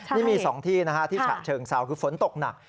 นี่มีสองที่ที่ฉะเชิงเบนสาวคือฝนตกหนัก